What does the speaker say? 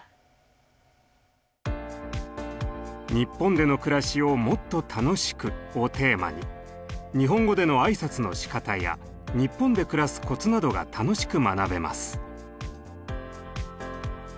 「日本での暮らしをもっと楽しく！」をテーマに日本語での挨拶のしかたや日本で暮らすコツなどが楽しく学べます。